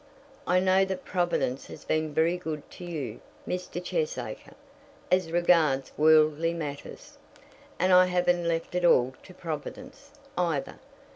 "I know that Providence has been very good to you, Mr. Cheesacre, as regards worldly matters." "And I haven't left it all to Providence, either.